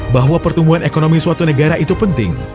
bahwa pertumbuhan ekonomi suatu negara itu penting